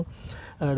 untuk bisa mendukung